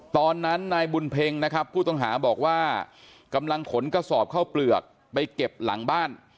ตอนนั้นนายบุญเพ็งนะครับผู้ต้องหาบอกว่ากำลังขนกระสอบเข้าเปลือกไปเก็บหลังบ้าน